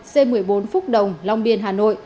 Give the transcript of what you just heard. c một mươi bốn phúc đồng long biên hà nội